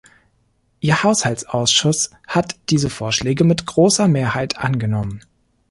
Ihr Haushaltsausschuss hat diese Vorschläge mit großer Mehrheit angenommen.